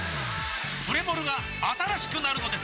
プレモルが新しくなるのです！